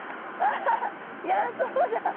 いやそうだ。